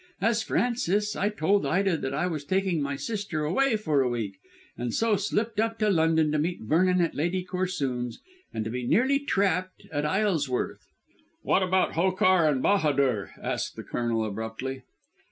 As Francis I told Ida that I was taking my sister away for a week, and so slipped up to London to meet Vernon at Lady Corsoon's and to be nearly trapped at Isleworth." "What about Hokar and Bahadur?" asked the Colonel abruptly.